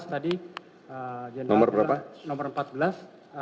tadi nomor berapa